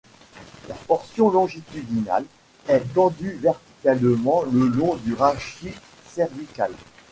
La portion longitudinale est tendue verticalement le long du rachis cervical.